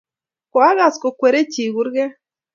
koakas kokwere chi kurket